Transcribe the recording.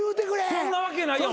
そんなわけないやん。